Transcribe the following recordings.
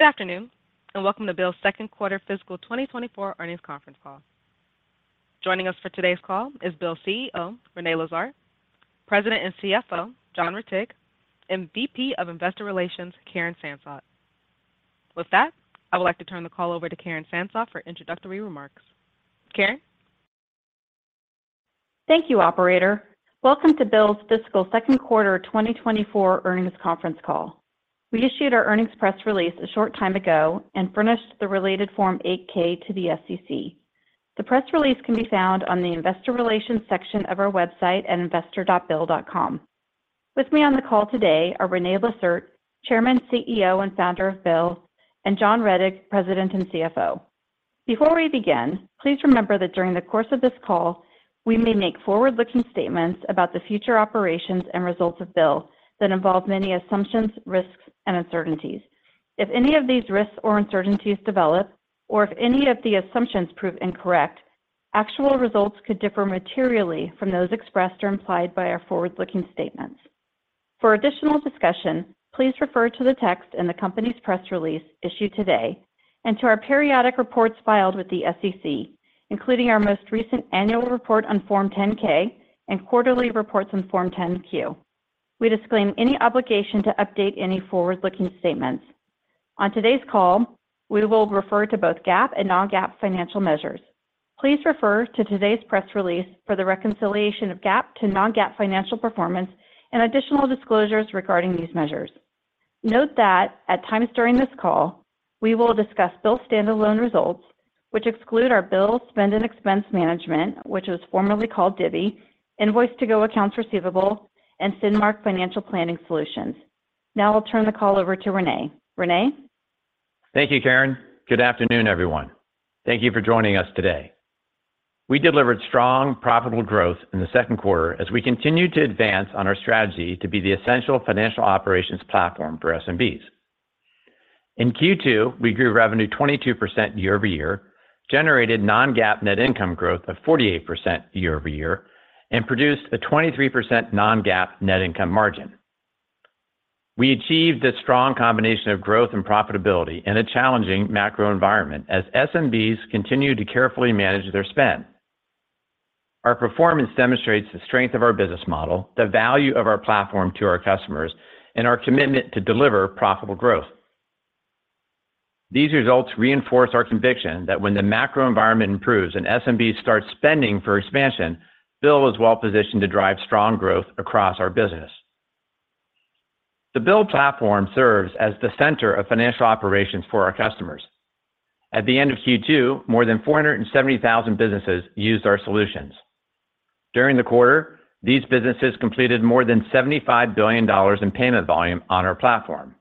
Good afternoon, and welcome to BILL's second quarter fiscal 2024 earnings conference call. Joining us for today's call is BILL's CEO, René Lacerte, President and CFO, John Rettig, and VP of Investor Relations, Karen Sansot. With that, I would like to turn the call over to Karen Sansot for introductory remarks. Karen? Thank you, operator. Welcome to BILL's fiscal second quarter 2024 earnings conference call. We issued our earnings press release a short time ago and furnished the related Form 8-K to the SEC. The press release can be found on the investor relations section of our website at investor.bill.com. With me on the call today are René Lacerte, Chairman, CEO, and Founder of BILL, and John Rettig, President and CFO. Before we begin, please remember that during the course of this call, we may make forward-looking statements about the future operations and results of BILL that involve many assumptions, risks, and uncertainties. If any of these risks or uncertainties develop, or if any of the assumptions prove incorrect, actual results could differ materially from those expressed or implied by our forward-looking statements. For additional discussion, please refer to the text in the company's press release issued today and to our periodic reports filed with the SEC, including our most recent annual report on Form 10-K and quarterly reports on Form 10-Q. We disclaim any obligation to update any forward-looking statements. On today's call, we will refer to both GAAP and non-GAAP financial measures. Please refer to today's press release for the reconciliation of GAAP to non-GAAP financial performance and additional disclosures regarding these measures. Note that at times during this call, we will discuss BILL standalone results, which exclude our BILL Spend and Expense Management, which was formerly called Divvy, Invoice2go accounts receivable, and Finmark Financial Planning Solutions. Now I'll turn the call over to René. René? Thank you, Karen. Good afternoon, everyone. Thank you for joining us today. We delivered strong, profitable growth in the second quarter as we continued to advance on our strategy to be the essential financial operations platform for SMBs. In Q2, we grew revenue 22% year-over-year, generated non-GAAP net income growth of 48% year-over-year, and produced a 23% non-GAAP net income margin. We achieved this strong combination of growth and profitability in a challenging macro environment as SMBs continued to carefully manage their spend. Our performance demonstrates the strength of our business model, the value of our platform to our customers, and our commitment to deliver profitable growth. These results reinforce our conviction that when the macro environment improves and SMBs start spending for expansion, BILL is well positioned to drive strong growth across our business. The BILL platform serves as the center of financial operations for our customers. At the end of Q2, more than 470,000 businesses used our solutions. During the quarter, these businesses completed more than $75 billion in payment volume on our platform.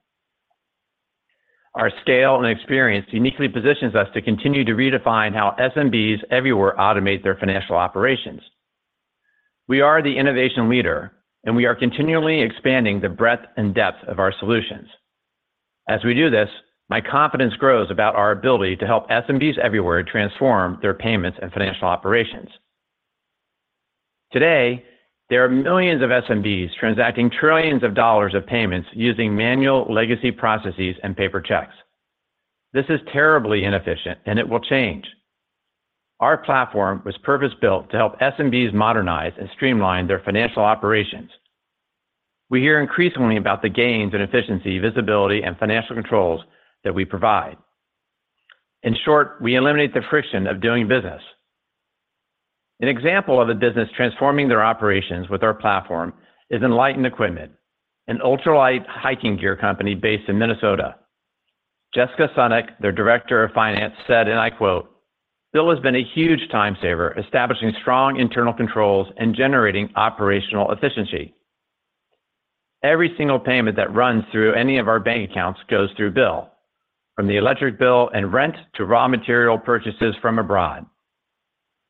Our scale and experience uniquely positions us to continue to redefine how SMBs everywhere automate their financial operations. We are the innovation leader, and we are continually expanding the breadth and depth of our solutions. As we do this, my confidence grows about our ability to help SMBs everywhere transform their payments and financial operations. Today, there are millions of SMBs transacting trillions of dollars of payments using manual legacy processes and paper checks. This is terribly inefficient, and it will change. Our platform was purpose-built to help SMBs modernize and streamline their financial operations. We hear increasingly about the gains in efficiency, visibility, and financial controls that we provide. In short, we eliminate the friction of doing business. An example of a business transforming their operations with our platform is Enlightened Equipment, an ultralight hiking gear company based in Minnesota. Jessica Simek, their Director of Finance, said, and I quote, "BILL has been a huge time saver, establishing strong internal controls and generating operational efficiency. Every single payment that runs through any of our bank accounts goes through BILL, from the electric bill and rent to raw material purchases from abroad.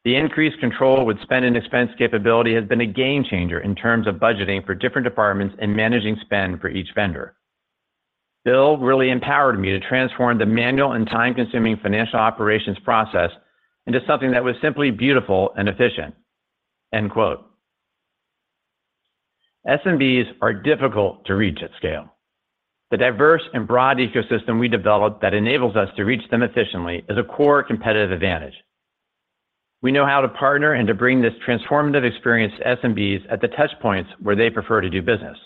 The increased control with spend and expense capability has been a game changer in terms of budgeting for different departments and managing spend for each vendor. BILL really empowered me to transform the manual and time-consuming financial operations process into something that was simply beautiful and efficient." End quote. SMBs are difficult to reach at scale. The diverse and broad ecosystem we developed that enables us to reach them efficiently is a core competitive advantage. We know how to partner and to bring this transformative experience to SMBs at the touchpoints where they prefer to do business.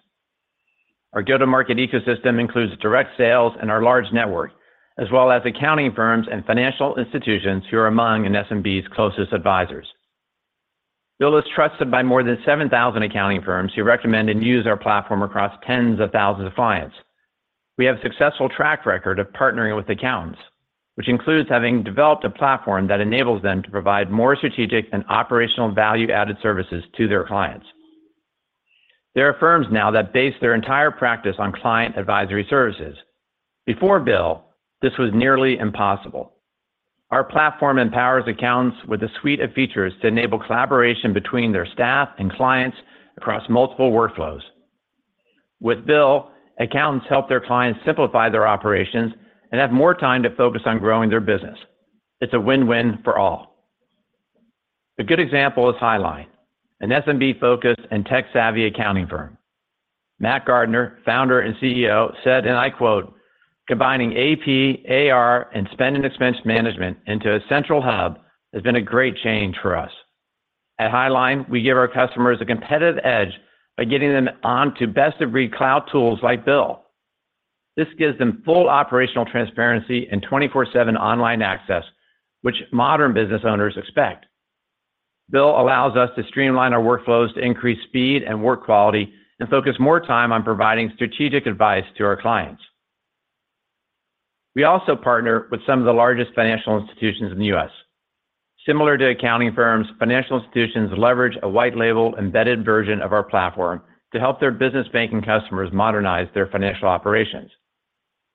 Our go-to-market ecosystem includes direct sales and our large network, as well as accounting firms and financial institutions who are among an SMB's closest advisors. BILL is trusted by more than 7,000 accounting firms who recommend and use our platform across tens of thousands of clients. We have a successful track record of partnering with accountants, which includes having developed a platform that enables them to provide more strategic and operational value-added services to their clients. There are firms now that base their entire practice on client advisory services. Before BILL, this was nearly impossible. Our platform empowers accountants with a suite of features to enable collaboration between their staff and clients across multiple workflows. With BILL, accountants help their clients simplify their operations and have more time to focus on growing their business. It's a win-win for all... A good example is Hiline, an SMB-focused and tech-savvy accounting firm. Matt Gardner, founder and CEO, said, and I quote, "Combining AP, AR, and spend and expense management into a central hub has been a great change for us. At Hiline, we give our customers a competitive edge by getting them onto best-of-breed cloud tools like BILL. This gives them full operational transparency and 24/7 online access, which modern business owners expect. BILL allows us to streamline our workflows to increase speed and work quality and focus more time on providing strategic advice to our clients." We also partner with some of the largest financial institutions in the U.S. Similar to accounting firms, financial institutions leverage a white label, embedded version of our platform to help their business banking customers modernize their financial operations.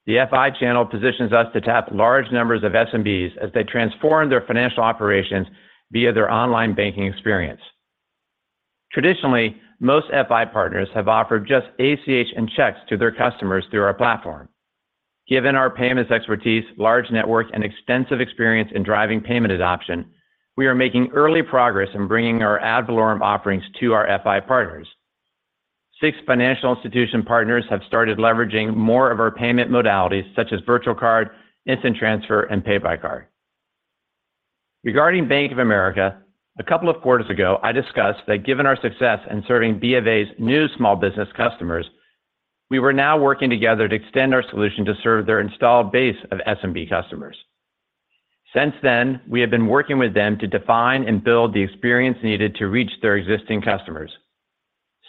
The FI channel positions us to tap large numbers of SMBs as they transform their financial operations via their online banking experience. Traditionally, most FI partners have offered just ACH and checks to their customers through our platform. Given our payments expertise, large network, and extensive experience in driving payment adoption, we are making early progress in bringing our ad valorem offerings to our FI partners. Six financial institution partners have started leveraging more of our payment modalities, such as virtual card, instant transfer, and pay by card. Regarding Bank of America, a couple of quarters ago, I discussed that given our success in serving B of A's new small business customers, we were now working together to extend our solution to serve their installed base of SMB customers. Since then, we have been working with them to define and build the experience needed to reach their existing customers.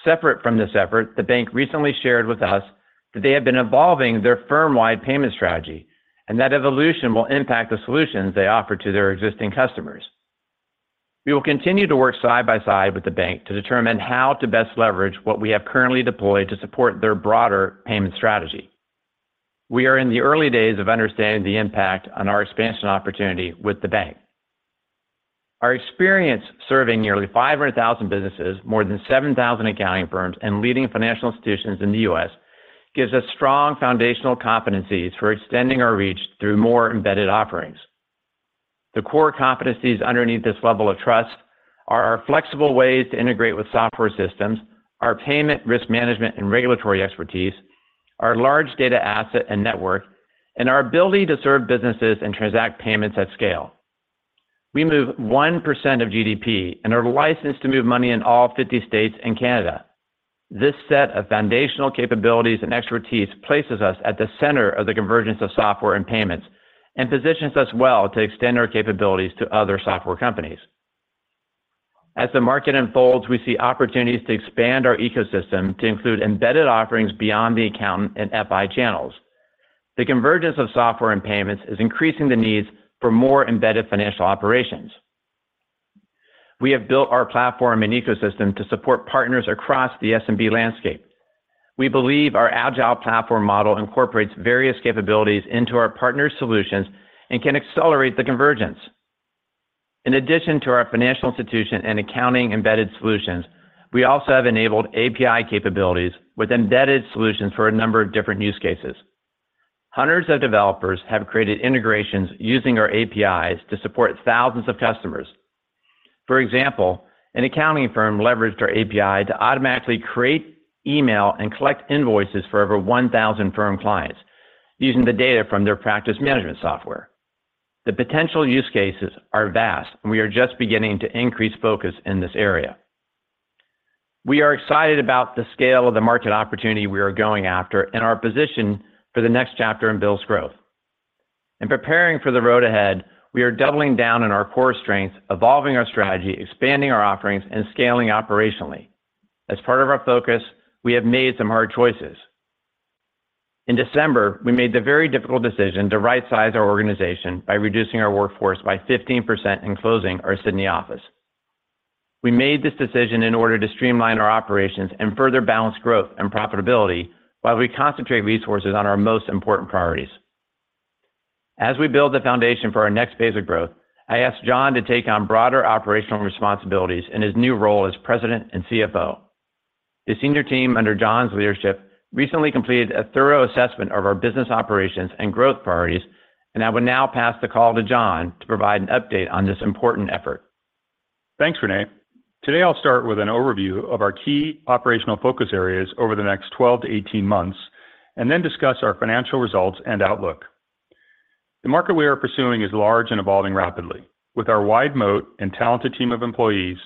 Separate from this effort, the bank recently shared with us that they have been evolving their firm-wide payment strategy, and that evolution will impact the solutions they offer to their existing customers. We will continue to work side by side with the bank to determine how to best leverage what we have currently deployed to support their broader payment strategy. We are in the early days of understanding the impact on our expansion opportunity with the bank. Our experience serving nearly 500,000 businesses, more than 7,000 accounting firms, and leading financial institutions in the U.S., gives us strong foundational competencies for extending our reach through more embedded offerings. The core competencies underneath this level of trust are our flexible ways to integrate with software systems, our payment risk management and regulatory expertise, our large data asset and network, and our ability to serve businesses and transact payments at scale. We move 1% of GDP and are licensed to move money in all 50 states and Canada. This set of foundational capabilities and expertise places us at the center of the convergence of software and payments, and positions us well to extend our capabilities to other software companies. As the market unfolds, we see opportunities to expand our ecosystem to include embedded offerings beyond the accountant and FI channels. The convergence of software and payments is increasing the needs for more embedded financial operations. We have built our platform and ecosystem to support partners across the SMB landscape. We believe our agile platform model incorporates various capabilities into our partners' solutions and can accelerate the convergence. In addition to our financial institution and accounting embedded solutions, we also have enabled API capabilities with embedded solutions for a number of different use cases. Hundreds of developers have created integrations using our APIs to support thousands of customers. For example, an accounting firm leveraged our API to automatically create, email, and collect invoices for over 1,000 firm clients using the data from their practice management software. The potential use cases are vast, and we are just beginning to increase focus in this area. We are excited about the scale of the market opportunity we are going after and our position for the next chapter in BILL's growth. In preparing for the road ahead, we are doubling down on our core strengths, evolving our strategy, expanding our offerings, and scaling operationally. As part of our focus, we have made some hard choices. In December, we made the very difficult decision to rightsize our organization by reducing our workforce by 15% and closing our Sydney office. We made this decision in order to streamline our operations and further balance growth and profitability while we concentrate resources on our most important priorities. As we build the foundation for our next phase of growth, I asked John to take on broader operational responsibilities in his new role as President and CFO. The senior team under John's leadership recently completed a thorough assessment of our business operations and growth priorities, and I will now pass the call to John to provide an update on this important effort. Thanks, René. Today, I'll start with an overview of our key operational focus areas over the next 12-18 months, and then discuss our financial results and outlook. The market we are pursuing is large and evolving rapidly. With our wide moat and talented team of employees,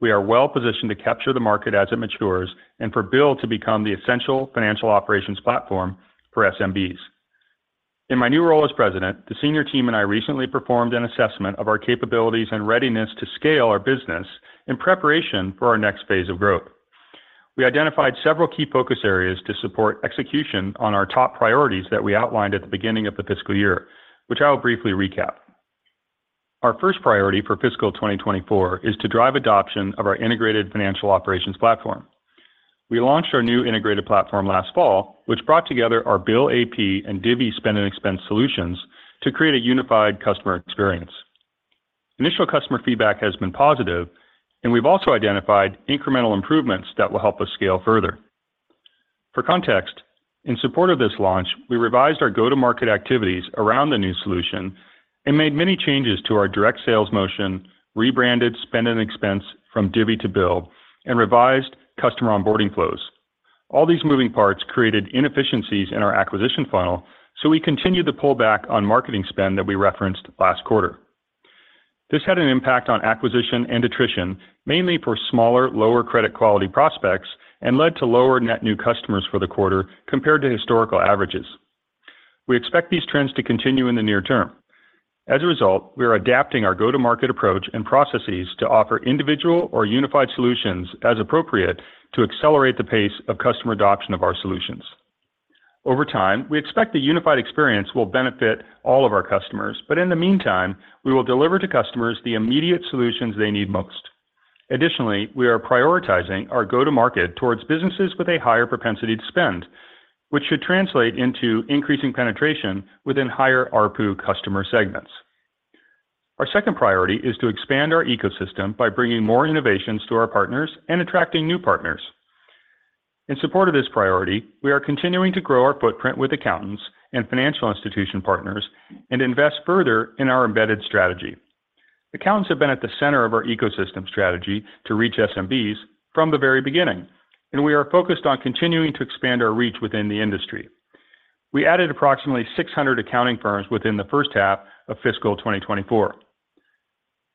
we are well-positioned to capture the market as it matures and for BILL to become the essential financial operations platform for SMBs. In my new role as President, the senior team and I recently performed an assessment of our capabilities and readiness to scale our business in preparation for our next phase of growth. We identified several key focus areas to support execution on our top priorities that we outlined at the beginning of the fiscal year, which I will briefly recap. Our first priority for fiscal 2024 is to drive adoption of our integrated financial operations platform. We launched our new integrated platform last fall, which brought together our BILL AP and Divvy spend and expense solutions to create a unified customer experience. Initial customer feedback has been positive, and we've also identified incremental improvements that will help us scale further. For context, in support of this launch, we revised our go-to-market activities around the new solution and made many changes to our direct sales motion, rebranded spend and expense from Divvy to BILL, and revised customer onboarding flows. All these moving parts created inefficiencies in our acquisition funnel, so we continued to pull back on marketing spend that we referenced last quarter. This had an impact on acquisition and attrition, mainly for smaller, lower credit quality prospects, and led to lower net new customers for the quarter compared to historical averages. We expect these trends to continue in the near term. As a result, we are adapting our go-to-market approach and processes to offer individual or unified solutions as appropriate to accelerate the pace of customer adoption of our solutions. Over time, we expect the unified experience will benefit all of our customers, but in the meantime, we will deliver to customers the immediate solutions they need most. Additionally, we are prioritizing our go-to-market towards businesses with a higher propensity to spend, which should translate into increasing penetration within higher ARPU customer segments. Our second priority is to expand our ecosystem by bringing more innovations to our partners and attracting new partners. In support of this priority, we are continuing to grow our footprint with accountants and financial institution partners and invest further in our embedded strategy. Accountants have been at the center of our ecosystem strategy to reach SMBs from the very beginning, and we are focused on continuing to expand our reach within the industry. We added approximately 600 accounting firms within the first half of fiscal 2024.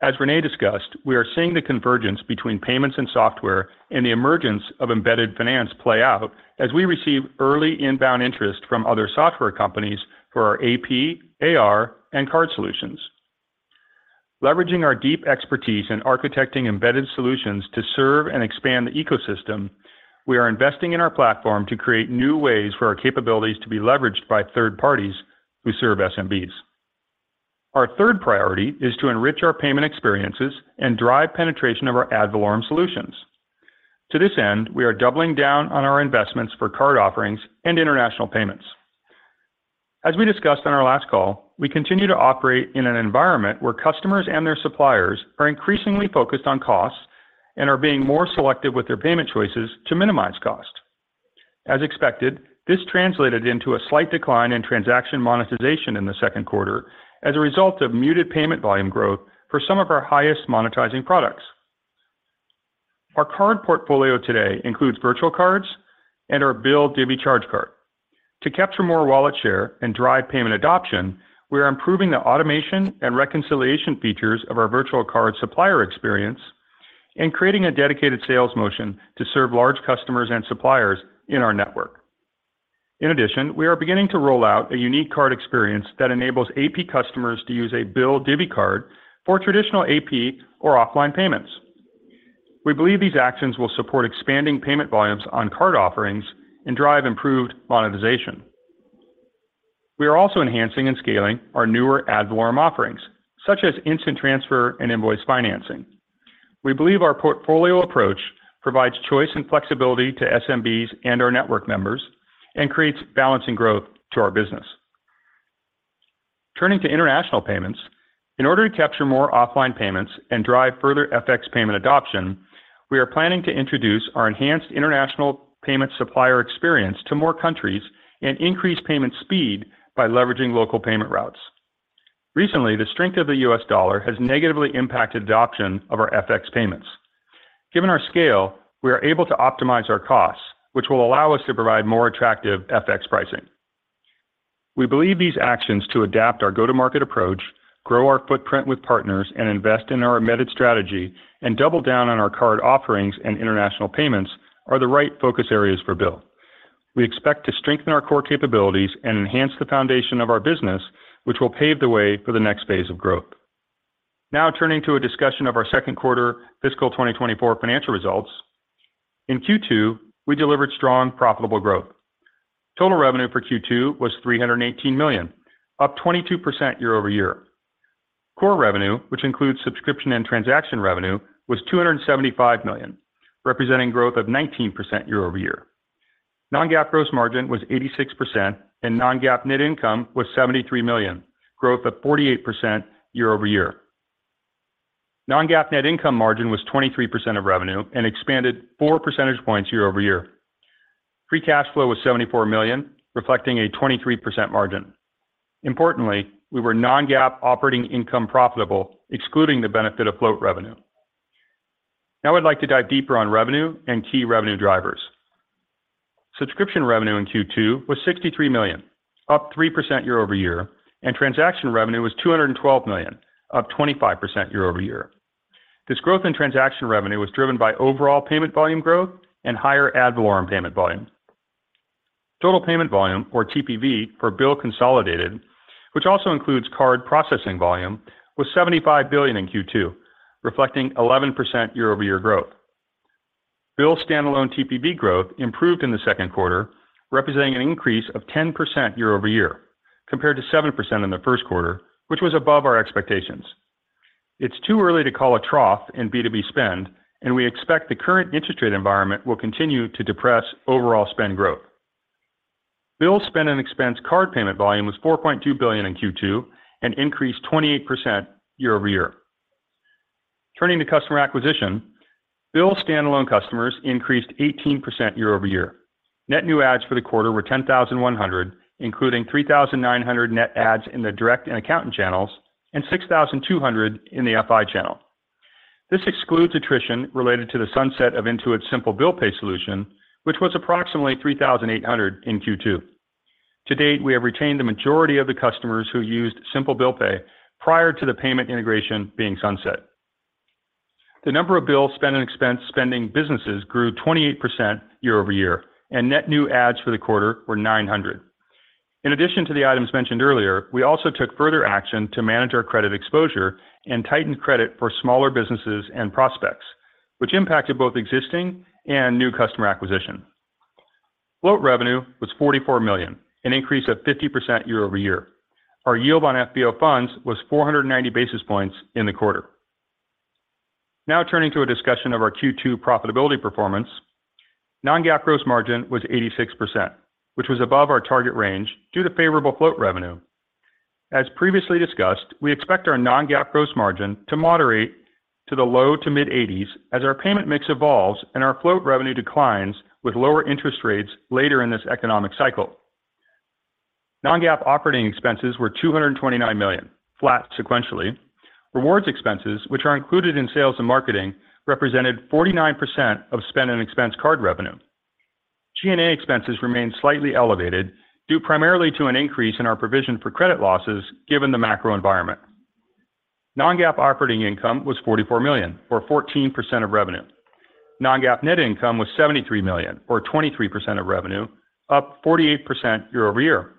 As René discussed, we are seeing the convergence between payments and software and the emergence of embedded finance play out as we receive early inbound interest from other software companies for our AP, AR, and card solutions. Leveraging our deep expertise in architecting embedded solutions to serve and expand the ecosystem, we are investing in our platform to create new ways for our capabilities to be leveraged by third parties who serve SMBs. Our third priority is to enrich our payment experiences and drive penetration of our ad valorem solutions. To this end, we are doubling down on our investments for card offerings and international payments. As we discussed on our last call, we continue to operate in an environment where customers and their suppliers are increasingly focused on costs and are being more selective with their payment choices to minimize cost. As expected, this translated into a slight decline in transaction monetization in the second quarter as a result of muted payment volume growth for some of our highest monetizing products. Our current portfolio today includes virtual cards and our BILL Divvy Card. To capture more wallet share and drive payment adoption, we are improving the automation and reconciliation features of our virtual card supplier experience and creating a dedicated sales motion to serve large customers and suppliers in our network. In addition, we are beginning to roll out a unique card experience that enables AP customers to use a BILL Divvy Card for traditional AP or offline payments. We believe these actions will support expanding payment volumes on card offerings and drive improved monetization. We are also enhancing and scaling our newer ad valorem offerings, such as instant transfer and invoice financing. We believe our portfolio approach provides choice and flexibility to SMBs and our network members and creates balance and growth to our business. Turning to international payments, in order to capture more offline payments and drive further FX payment adoption, we are planning to introduce our enhanced international payment supplier experience to more countries and increase payment speed by leveraging local payment routes. Recently, the strength of the U.S. dollar has negatively impacted adoption of our FX payments. Given our scale, we are able to optimize our costs, which will allow us to provide more attractive FX pricing. We believe these actions to adapt our go-to-market approach, grow our footprint with partners, and invest in our embedded strategy, and double down on our card offerings and international payments, are the right focus areas for BILL. We expect to strengthen our core capabilities and enhance the foundation of our business, which will pave the way for the next phase of growth. Now, turning to a discussion of our second quarter fiscal 2024 financial results. In Q2, we delivered strong, profitable growth. Total revenue for Q2 was $318 million, up 22% year-over-year. Core revenue, which includes subscription and transaction revenue, was $275 million, representing growth of 19% year-over-year. Non-GAAP gross margin was 86%, and non-GAAP net income was $73 million, growth of 48% year-over-year. Non-GAAP net income margin was 23% of revenue and expanded 4 percentage points year-over-year. Free cash flow was $74 million, reflecting a 23% margin. Importantly, we were non-GAAP operating income profitable, excluding the benefit of float revenue. Now, I'd like to dive deeper on revenue and key revenue drivers. Subscription revenue in Q2 was $63 million, up 3% year-over-year, and transaction revenue was $212 million, up 25% year-over-year. This growth in transaction revenue was driven by overall payment volume growth and higher ad valorem payment volume. Total payment volume, or TPV, for BILL consolidated, which also includes card processing volume, was $75 billion in Q2, reflecting 11% year-over-year growth. BILL standalone TPV growth improved in the second quarter, representing an increase of 10% year-over-year, compared to 7% in the first quarter, which was above our expectations. It's too early to call a trough in B2B spend, and we expect the current interest rate environment will continue to depress overall spend growth. BILL Spend and Expense card payment volume was $4.2 billion in Q2 and increased 28% year-over-year. Turning to customer acquisition, BILL standalone customers increased 18% year-over-year. Net new adds for the quarter were 10,100, including 3,900 net adds in the direct and accountant channels, and 6,200 in the FI channel. This excludes attrition related to the sunset of Intuit Simple Bill Pay solution, which was approximately 3,800 in Q2. To date, we have retained the majority of the customers who used Simple Bill Pay prior to the payment integration being sunset. The number of BILL Spend and Expense spending businesses grew 28% year-over-year, and net new ads for the quarter were 900. In addition to the items mentioned earlier, we also took further action to manage our credit exposure and tightened credit for smaller businesses and prospects, which impacted both existing and new customer acquisition. Float revenue was $44 million, an increase of 50% year-over-year. Our yield on FBO funds was 490 basis points in the quarter. Now turning to a discussion of our Q2 profitability performance. Non-GAAP gross margin was 86%, which was above our target range due to favorable float revenue. As previously discussed, we expect our non-GAAP gross margin to moderate to the low to mid-eighties as our payment mix evolves and our float revenue declines with lower interest rates later in this economic cycle. Non-GAAP operating expenses were $229 million, flat sequentially. Rewards expenses, which are included in sales and marketing, represented 49% of spend and expense card revenue. G&A expenses remained slightly elevated due primarily to an increase in our provision for credit losses, given the macro environment. Non-GAAP operating income was $44 million, or 14% of revenue. Non-GAAP net income was $73 million, or 23% of revenue, up 48% year-over-year.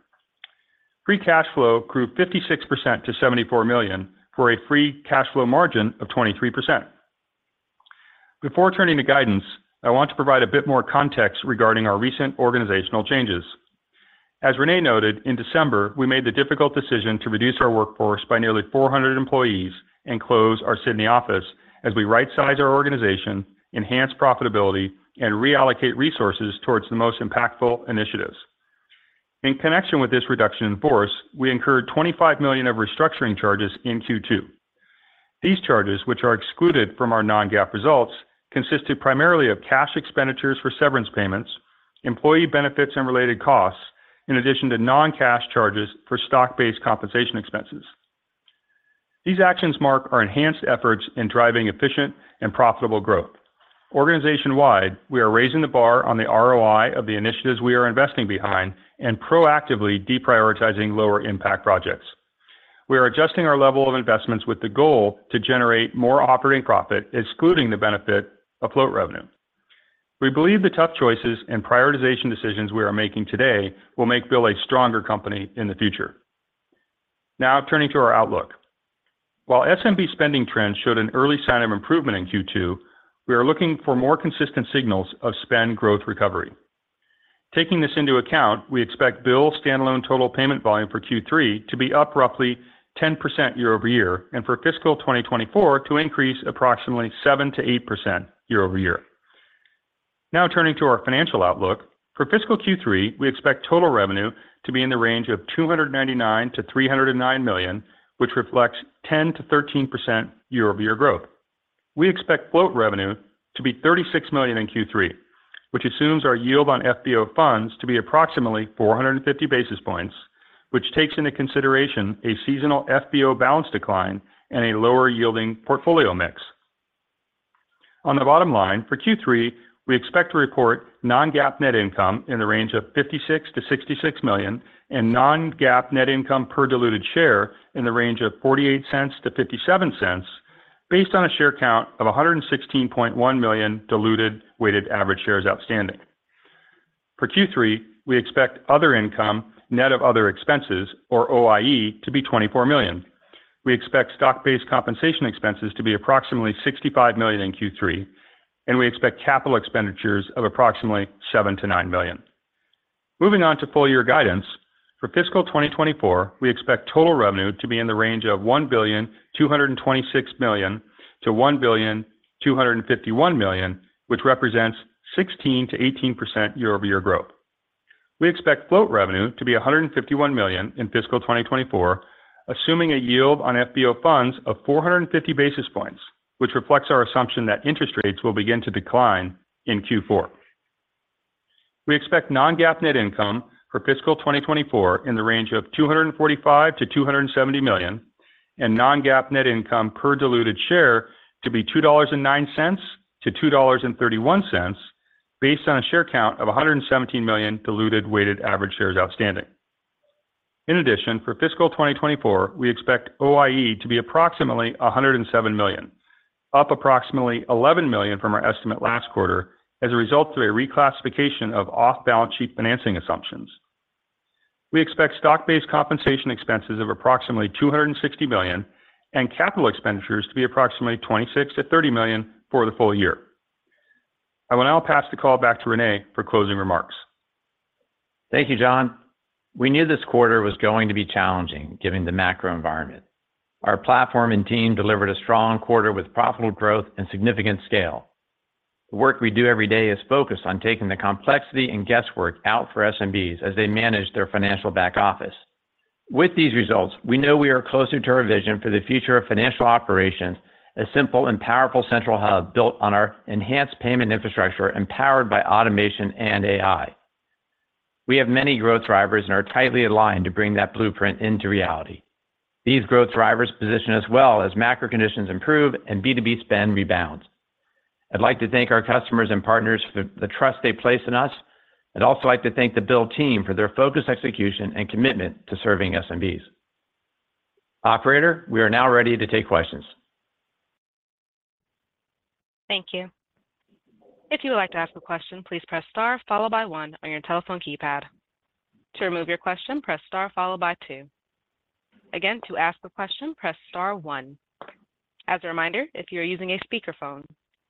Free cash flow grew 56% to $74 million, for a free cash flow margin of 23%. As René noted, in December, we made the difficult decision to reduce our workforce by nearly 400 employees and close our Sydney office as we rightsize our organization, enhance profitability, and reallocate resources towards the most impactful initiatives. In connection with this reduction in force, we incurred $25 million of restructuring charges in Q2. These charges, which are excluded from our non-GAAP results, consisted primarily of cash expenditures for severance payments, employee benefits and related costs, in addition to non-cash charges for stock-based compensation expenses. These actions mark our enhanced efforts in driving efficient and profitable growth. Organization-wide, we are raising the bar on the ROI of the initiatives we are investing behind and proactively deprioritizing lower impact projects. We are adjusting our level of investments with the goal to generate more operating profit, excluding the benefit of float revenue. We believe the tough choices and prioritization decisions we are making today will make BILL a stronger company in the future. Now, turning to our outlook. While SMB spending trends showed an early sign of improvement in Q2, we are looking for more consistent signals of spend growth recovery. Taking this into account, we expect BILL standalone total payment volume for Q3 to be up roughly 10% year-over-year, and for fiscal 2024 to increase approximately 7%-8% year-over-year. Now turning to our financial outlook. For fiscal Q3, we expect total revenue to be in the range of $299 million-$309 million, which reflects 10%-13% year-over-year growth. We expect float revenue to be $36 million in Q3, which assumes our yield on FBO funds to be approximately 450 basis points, which takes into consideration a seasonal FBO balance decline and a lower yielding portfolio mix. On the bottom line, for Q3, we expect to report non-GAAP net income in the range of $56 million-$66 million, and non-GAAP net income per diluted share in the range of $0.48-$0.57, based on a share count of 116.1 million diluted weighted average shares outstanding. For Q3, we expect other income, net of other expenses, or OIE, to be $24 million. We expect stock-based compensation expenses to be approximately $65 million in Q3, and we expect capital expenditures of approximately $7 million-$9 million. Moving on to full year guidance. For fiscal 2024, we expect total revenue to be in the range of $1.226 billion-$1.251 billion, which represents 16%-18% year-over-year growth. We expect float revenue to be $151 million in fiscal 2024, assuming a yield on FBO funds of 450 basis points, which reflects our assumption that interest rates will begin to decline in Q4. We expect non-GAAP net income for fiscal 2024 in the range of $245 million-$270 million, and non-GAAP net income per diluted share to be $2.09-$2.31, based on a share count of 117 million diluted weighted average shares outstanding. In addition, for fiscal 2024, we expect OIE to be approximately $107 million, up approximately $11 million from our estimate last quarter as a result of a reclassification of off-balance sheet financing assumptions. We expect stock-based compensation expenses of approximately $260 million, and capital expenditures to be approximately $26 million-$30 million for the full year. I will now pass the call back to René for closing remarks. Thank you, John. We knew this quarter was going to be challenging, given the macro environment. Our platform and team delivered a strong quarter with profitable growth and significant scale. The work we do every day is focused on taking the complexity and guesswork out for SMBs as they manage their financial back office. With these results, we know we are closer to our vision for the future of financial operations, a simple and powerful central hub built on our enhanced payment infrastructure, empowered by automation and AI. We have many growth drivers and are tightly aligned to bring that blueprint into reality. These growth drivers position us well as macro conditions improve and B2B spend rebounds. I'd like to thank our customers and partners for the trust they place in us. I'd also like to thank the BILL team for their focused execution and commitment to serving SMBs. Operator, we are now ready to take questions. Thank you. If you would like to ask a question, please press star, followed by one on your telephone keypad. To remove your question, press star followed by two. Again, to ask a question, press star one. As a reminder, if you're using a speakerphone,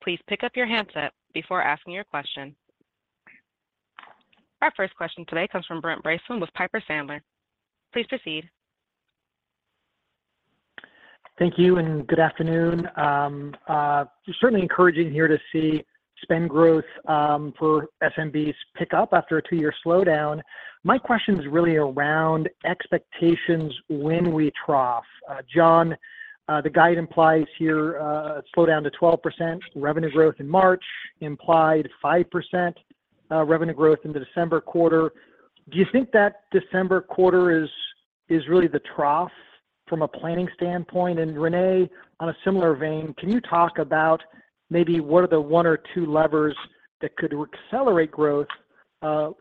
please pick up your handset before asking your question. Our first question today comes from Brent Bracelin with Piper Sandler. Please proceed. Thank you, and good afternoon. Certainly encouraging here to see spend growth for SMBs pick up after a 2-year slowdown. My question is really around expectations when we trough. John, the guide implies here a slowdown to 12% revenue growth in March, implied 5% revenue growth in the December quarter. Do you think that December quarter is really the trough from a planning standpoint? And René, on a similar vein, can you talk about maybe what are the one or two levers that could accelerate growth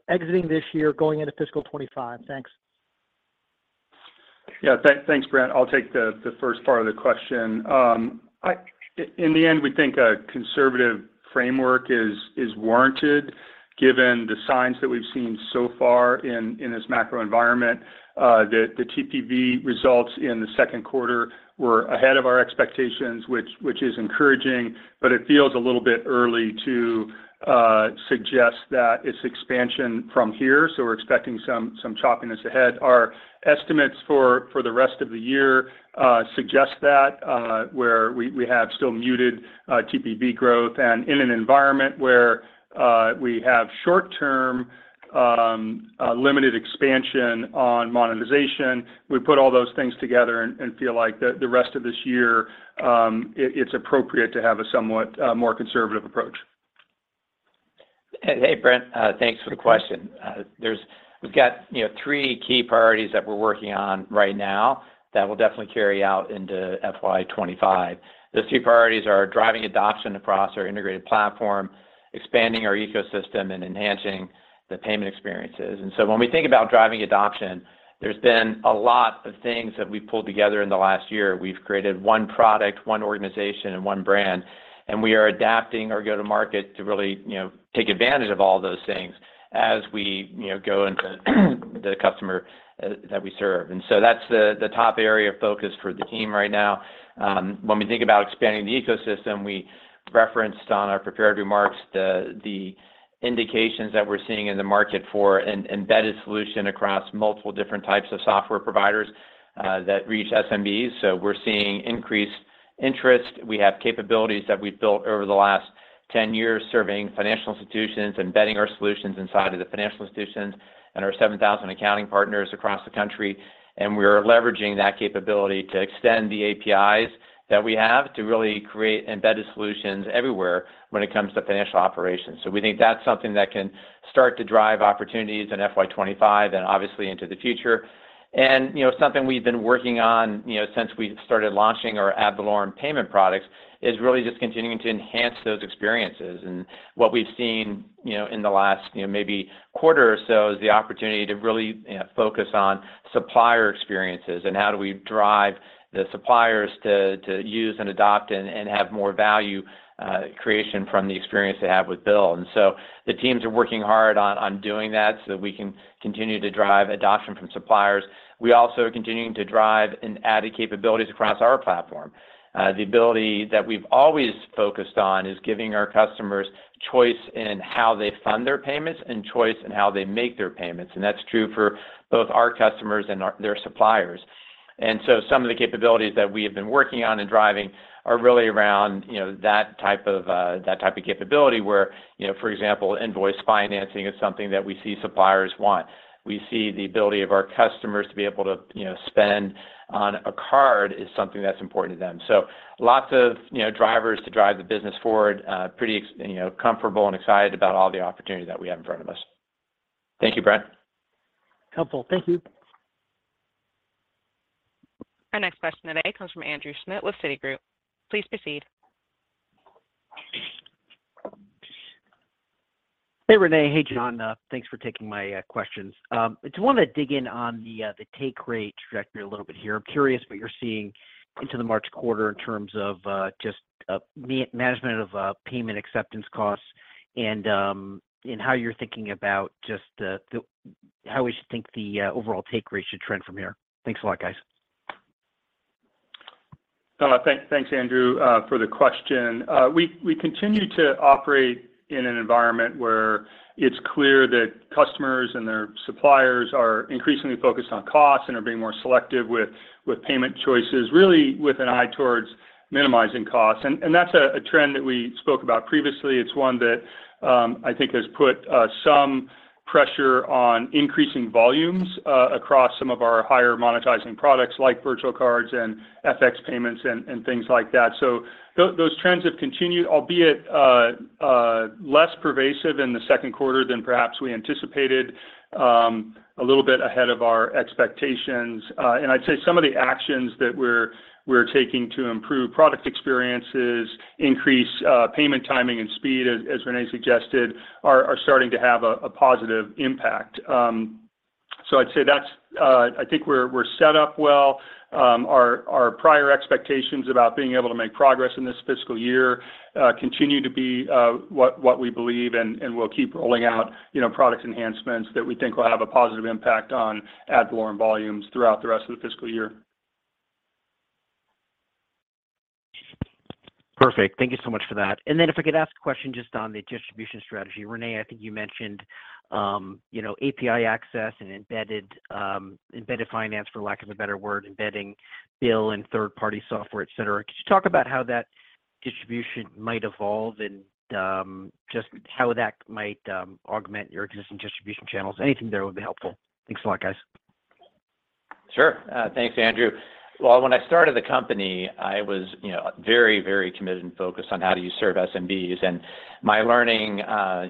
exiting this year, going into fiscal 2025? Thanks. Yeah, thanks, Brent. I'll take the first part of the question. In the end, we think a conservative framework is warranted, given the signs that we've seen so far in this macro environment. The TPV results in the second quarter were ahead of our expectations, which is encouraging, but it feels a little bit early to suggest that it's expansion from here, so we're expecting some choppiness ahead. Our estimates for the rest of the year suggest that where we have still muted TPV growth, and in an environment where we have short term limited expansion on monetization. We put all those things together and feel like the rest of this year, it's appropriate to have a somewhat more conservative approach. Hey, Brent, thanks for the question. There's, we've got, you know, three key priorities that we're working on right now, that will definitely carry out into FY 25. Those two priorities are driving adoption across our integrated platform, expanding our ecosystem, and enhancing the payment experiences. And so when we think about driving adoption, there's been a lot of things that we've pulled together in the last year. We've created one product, one organization, and one brand, and we are adapting our go-to-market to really, you know, take advantage of all those things as we, you know, go into, the customer, that we serve. And so that's the, the top area of focus for the team right now. When we think about expanding the ecosystem, we referenced on our prepared remarks the indications that we're seeing in the market for an embedded solution across multiple different types of software providers that reach SMBs. So we're seeing increased interest. We have capabilities that we've built over the last 10 years, serving financial institutions, embedding our solutions inside of the financial institutions, and our 7,000 accounting partners across the country. And we are leveraging that capability to extend the APIs that we have to really create embedded solutions everywhere when it comes to financial operations. So we think that's something that can start to drive opportunities in FY 2025, and obviously into the future. And, you know, something we've been working on, you know, since we started launching our Ad Valorem payment products, is really just continuing to enhance those experiences. What we've seen, you know, in the last, you know, maybe quarter or so, is the opportunity to really focus on supplier experiences, and how do we drive the suppliers to use and adopt and have more value creation from the experience they have with BILL. So the teams are working hard on doing that so that we can continue to drive adoption from suppliers. We also are continuing to drive and add capabilities across our platform. The ability that we've always focused on is giving our customers choice in how they fund their payments, and choice in how they make their payments, and that's true for both our customers and our-their suppliers. And so some of the capabilities that we have been working on and driving are really around, you know, that type of, that type of capability where, you know, for example, invoice financing is something that we see suppliers want. We see the ability of our customers to be able to, you know, spend on a card is something that's important to them. So lots of, you know, drivers to drive the business forward, you know, comfortable and excited about all the opportunities that we have in front of us. Thank you, Brent. Helpful. Thank you. Our next question today comes from Andrew Schmidt with Citigroup. Please proceed. Hey, René. Hey, John. Thanks for taking my questions. I just want to dig in on the take rate trajectory a little bit here. I'm curious what you're seeing into the March quarter in terms of just management of payment acceptance costs, and how you're thinking about just how we should think the overall take rate should trend from here. Thanks a lot, guys. Thanks, Andrew, for the question. We continue to operate in an environment where it's clear that customers and their suppliers are increasingly focused on costs and are being more selective with payment choices, really with an eye towards minimizing costs. And that's a trend that we spoke about previously. It's one that I think has put some pressure on increasing volumes across some of our higher monetizing products, like virtual cards and FX payments and things like that. So those trends have continued, albeit less pervasive in the second quarter than perhaps we anticipated, a little bit ahead of our expectations. And I'd say some of the actions that we're taking to improve product experiences, increase payment timing and speed, as René suggested, are starting to have a positive impact. So I'd say that's. I think we're set up well. Our prior expectations about being able to make progress in this fiscal year continue to be what we believe, and we'll keep rolling out, you know, product enhancements that we think will have a positive impact on ad volumes throughout the rest of the fiscal year. Perfect. Thank you so much for that. Then if I could ask a question just on the distribution strategy. René, I think you mentioned, you know, API access and embedded, embedded finance, for lack of a better word, embedding BILL and third-party software, et cetera. Could you talk about how that distribution might evolve and, just how that might, augment your existing distribution channels? Anything there would be helpful. Thanks a lot, guys. Sure. Thanks, Andrew. Well, when I started the company, I was, you know, very, very committed and focused on how do you serve SMBs? And my learning,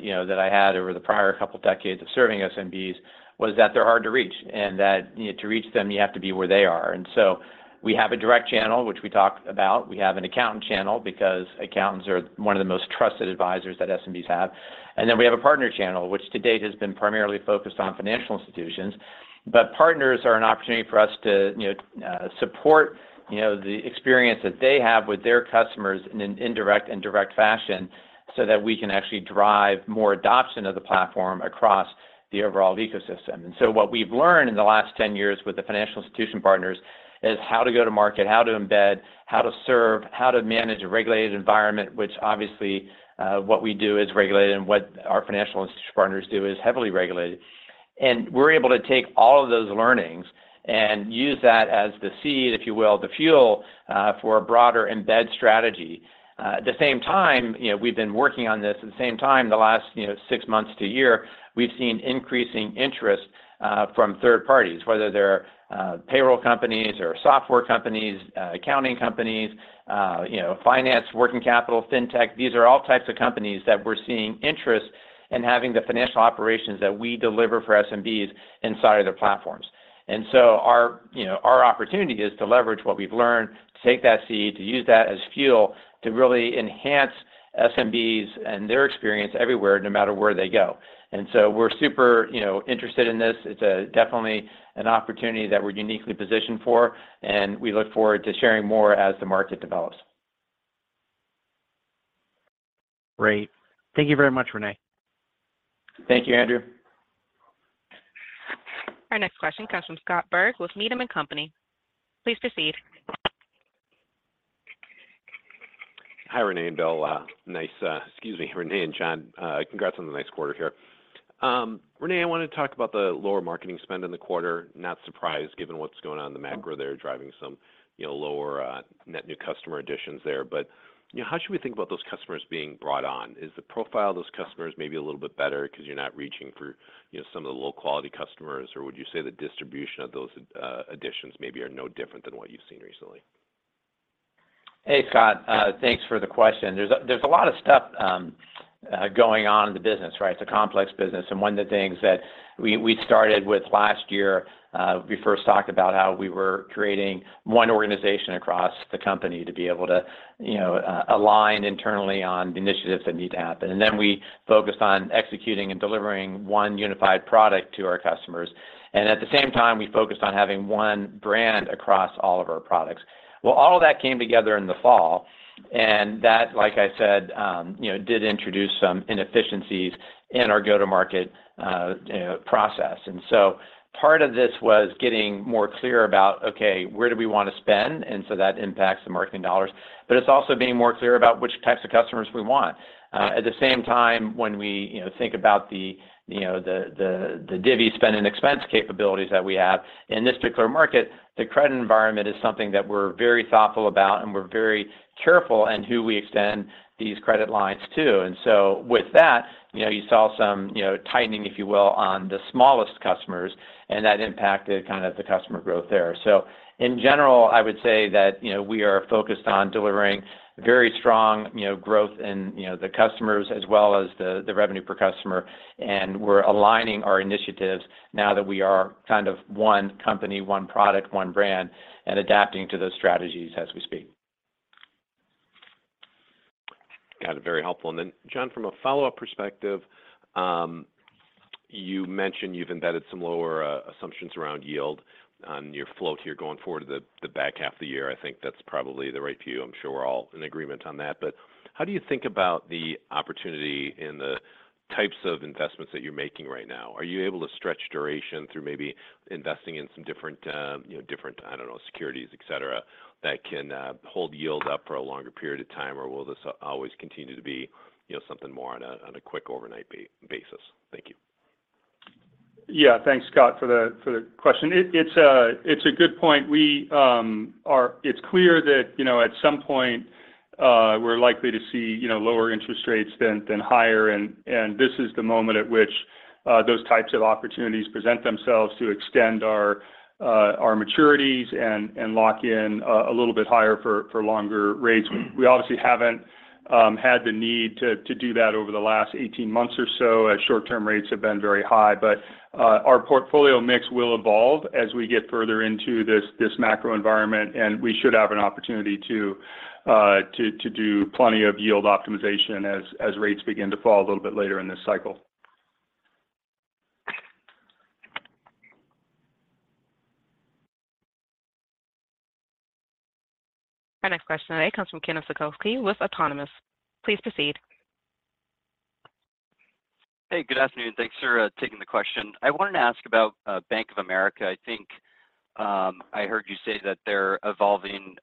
you know, that I had over the prior couple decades of serving SMBs, was that they're hard to reach, and that, you know, to reach them, you have to be where they are. And so we have a direct channel, which we talked about. We have an accountant channel, because accountants are one of the most trusted advisors that SMBs have. And then we have a partner channel, which to date, has been primarily focused on financial institutions. But partners are an opportunity for us to, you know, support, you know, the experience that they have with their customers in an indirect and direct fashion, so that we can actually drive more adoption of the platform across the overall ecosystem. So what we've learned in the last 10 years with the financial institution partners is how to go to market, how to embed, how to serve, how to manage a regulated environment, which obviously what we do is regulated, and what our financial institution partners do is heavily regulated. We're able to take all of those learnings and use that as the seed, if you will, the fuel for a broader embed strategy. At the same time, you know, we've been working on this at the same time, the last, you know, six months to a year, we've seen increasing interest from third parties, whether they're payroll companies or software companies, accounting companies, you know, finance, working capital, fintech. These are all types of companies that we're seeing interest in having the financial operations that we deliver for SMBs inside of their platforms. And so our, you know, our opportunity is to leverage what we've learned, to take that seed, to use that as fuel, to really enhance SMBs and their experience everywhere, no matter where they go. And so we're super, you know, interested in this. It's definitely an opportunity that we're uniquely positioned for, and we look forward to sharing more as the market develops. Great. Thank you very much, René. Thank you, Andrew. Our next question comes from Scott Berg with Needham and Company. Please proceed. Hi, René and Bill. Nice... Excuse me, René and John, congrats on the nice quarter here. René, I wanted to talk about the lower marketing spend in the quarter. Not surprised, given what's going on in the macro there, driving some, you know, lower, net new customer additions there. But, you know, how should we think about those customers being brought on? Is the profile of those customers maybe a little bit better because you're not reaching for, you know, some of the low-quality customers, or would you say the distribution of those, additions maybe are no different than what you've seen recently? Hey, Scott. Thanks for the question. There's a lot of stuff going on in the business, right? It's a complex business, and one of the things that we started with last year, we first talked about how we were creating one organization across the company to be able to, you know, align internally on initiatives that need to happen. And then we focused on executing and delivering one unified product to our customers, and at the same time, we focused on having one brand across all of our products. Well, all of that came together in the fall, and that, like I said, you know, did introduce some inefficiencies in our go-to-market, you know, process. And so part of this was getting more clear about, okay, where do we wanna spend? That impacts the marketing dollars, but it's also being more clear about which types of customers we want. At the same time, when we, you know, think about the, you know, the Divvy spend and expense capabilities that we have in this particular market, the credit environment is something that we're very thoughtful about, and we're very careful in who we extend these credit lines to. With that, you know, you saw some, you know, tightening, if you will, on the smallest customers, and that impacted kind of the customer growth there. In general, I would say that, you know, we are focused on delivering very strong, you know, growth in, you know, the customers as well as the revenue per customer. We're aligning our initiatives now that we are kind of one company, one product, one brand, and adapting to those strategies as we speak. Got it. Very helpful. And then John, from a follow-up perspective, you mentioned you've embedded some lower assumptions around yield on your float here going forward to the back half of the year. I think that's probably the right view. I'm sure we're all in agreement on that. But how do you think about the opportunity in the types of investments that you're making right now? Are you able to stretch duration through maybe investing in some different, you know, different, I don't know, securities, et cetera, that can hold yield up for a longer period of time? Or will this always continue to be, you know, something more on a, on a quick overnight basis? Thank you. Yeah. Thanks, Scott, for the question. It's a good point. It's clear that, you know, at some point, we're likely to see lower interest rates than higher, and this is the moment at which those types of opportunities present themselves to extend our maturities and lock in a little bit higher for longer rates. We obviously haven't had the need to do that over the last 18 months or so, as short-term rates have been very high. But our portfolio mix will evolve as we get further into this macro environment, and we should have an opportunity to do plenty of yield optimization as rates begin to fall a little bit later in this cycle. Our next question today comes from Ken Suchoski with Autonomous. Please proceed. Hey, good afternoon. Thanks for taking the question. I wanted to ask about Bank of America. I think I heard you say that they're evolving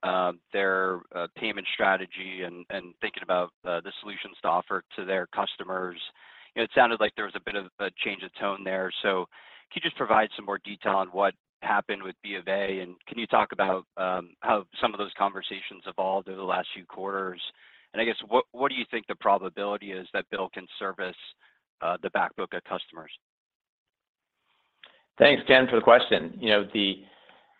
their payment strategy and thinking about the solutions to offer to their customers. It sounded like there was a bit of a change of tone there. So can you just provide some more detail on what happened with B of A, and can you talk about how some of those conversations evolved over the last few quarters? And I guess what do you think the probability is that Bill can service the back book of customers? Thanks, Ken, for the question. You know,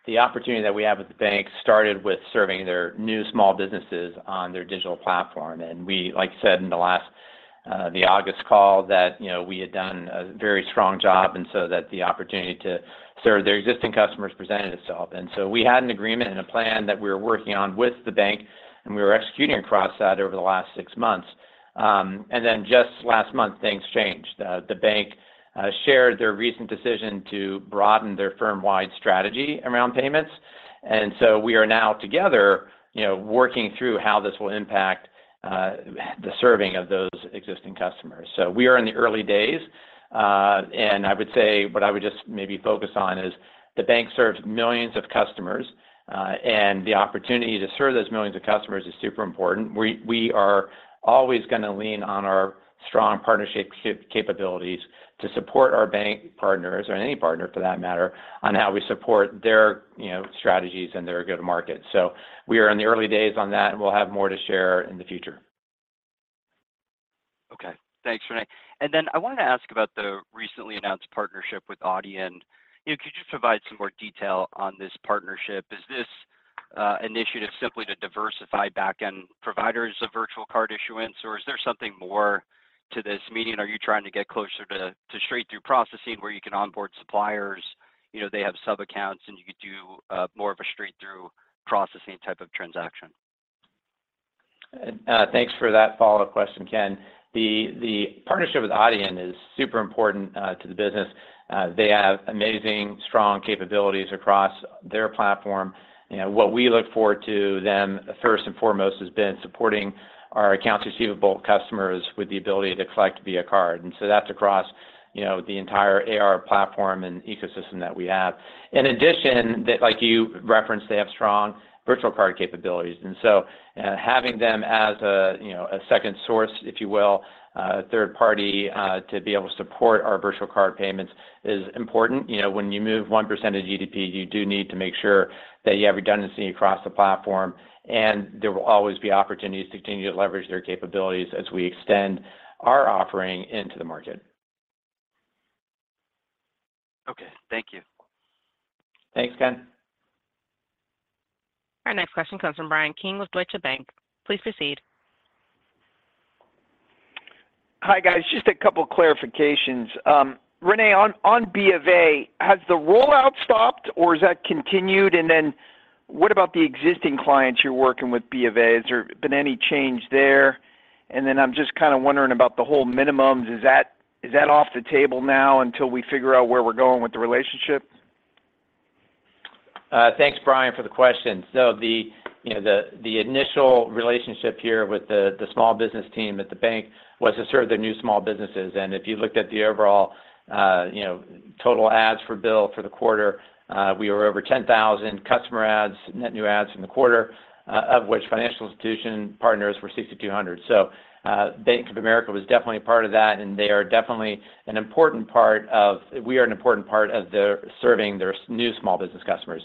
the opportunity that we have with the bank started with serving their new small businesses on their digital platform. And we, like I said, in the last, the August call, that, you know, we had done a very strong job, and so that the opportunity to serve their existing customers presented itself. And so we had an agreement and a plan that we were working on with the bank, and we were executing across that over the last six months. And then just last month, things changed. The bank shared their recent decision to broaden their firm-wide strategy around payments, and so we are now together, you know, working through how this will impact the serving of those existing customers. So we are in the early days, and I would say what I would just maybe focus on is the bank serves millions of customers, and the opportunity to serve those millions of customers is super important. We are always gonna lean on our strong partnership capabilities to support our bank partners, or any partner for that matter, on how we support their, you know, strategies and their go-to-market. So we are in the early days on that, and we'll have more to share in the future. Okay. Thanks, René. And then I wanted to ask about the recently announced partnership with Adyen. You know, could you just provide some more detail on this partnership? Is this an initiative simply to diversify back-end providers of virtual card issuance, or is there something more to this? Meaning, are you trying to get closer to straight-through processing where you can onboard suppliers, you know, they have sub-accounts, and you could do more of a straight-through processing type of transaction? Thanks for that follow-up question, Ken. The partnership with Adyen is super important to the business. They have amazing, strong capabilities across their platform. You know, what we look forward to then, first and foremost, has been supporting our accounts receivable customers with the ability to collect via card. And so that's across, you know, the entire AR platform and ecosystem that we have. In addition, that like you referenced, they have strong virtual card capabilities, and so, having them as a, you know, a second source, if you will, a third party, to be able to support our virtual card payments is important. You know, when you move 1% of GDP, you do need to make sure that you have redundancy across the platform, and there will always be opportunities to continue to leverage their capabilities as we extend our offering into the market. Okay. Thank you. Thanks, Ken. Our next question comes from Bryan Keane with Deutsche Bank. Please proceed. Hi, guys. Just a couple clarifications. René, on, on B of A, has the rollout stopped or has that continued? And then what about the existing clients you're working with B of A? Has there been any change there? And then I'm just kind of wondering about the whole minimums. Is that, is that off the table now until we figure out where we're going with the relationship? Thanks, Brian, for the question. So, you know, the initial relationship here with the small business team at the bank was to serve their new small businesses. And if you looked at the overall, you know, total adds for BILL for the quarter, we were over 10,000 customer adds, net new adds in the quarter, of which financial institution partners were 6,200. So, Bank of America was definitely a part of that, and they are definitely an important part of... We are an important part of their serving their new small business customers.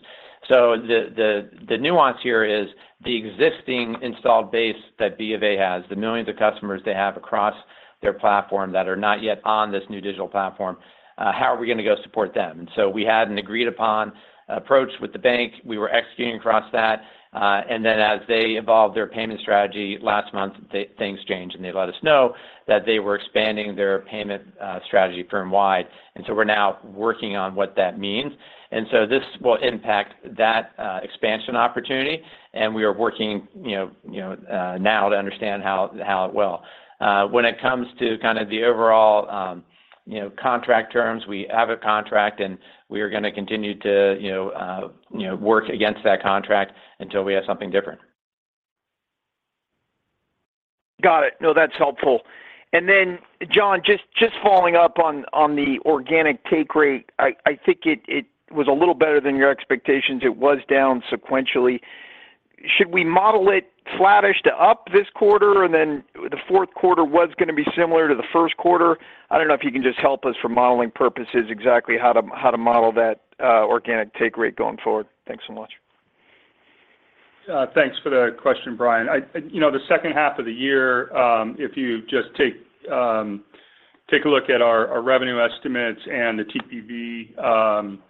So the nuance here is the existing installed base that B of A has, the millions of customers they have across their platform that are not yet on this new digital platform, how are we gonna go support them? And so we had an agreed-upon approach with the bank. We were executing across that, and then as they evolved their payment strategy last month, things changed, and they let us know that they were expanding their payment strategy firm-wide. And so we're now working on what that means. And so this will impact that expansion opportunity, and we are working, you know, you know, now to understand how it will. When it comes to kind of the overall, you know, contract terms, we have a contract, and we are gonna continue to, you know, you know, work against that contract until we have something different.... Got it. No, that's helpful. And then, John, just following up on the organic take rate, I think it was a little better than your expectations. It was down sequentially. Should we model it flattish to up this quarter, and then the fourth quarter was gonna be similar to the first quarter? I don't know if you can just help us for modeling purposes, exactly how to model that organic take rate going forward. Thanks so much. Thanks for the question, Brian. I-- You know, the second half of the year, if you just take, take a look at our, our revenue estimates and the TPV, estimates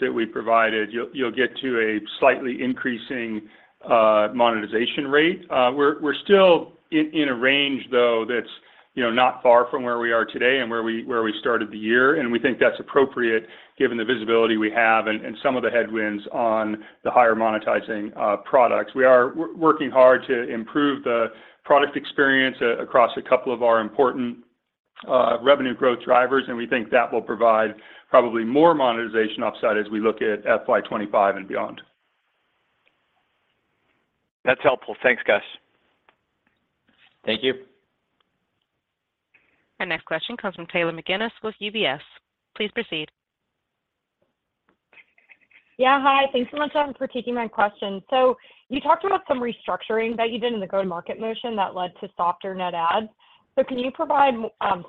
that we provided, you'll, you'll get to a slightly increasing, monetization rate. We're, we're still in, in a range, though, that's, you know, not far from where we are today and where we, where we started the year, and we think that's appropriate given the visibility we have and, and some of the headwinds on the higher monetizing, products. We are working hard to improve the product experience across a couple of our important, revenue growth drivers, and we think that will provide probably more monetization upside as we look at FY 25 and beyond. That's helpful. Thanks, guys. Thank you. Our next question comes from Taylor McGinnis with UBS. Please proceed. Yeah, hi. Thanks so much for taking my question. So you talked about some restructuring that you did in the go-to-market motion that led to softer net adds. So can you provide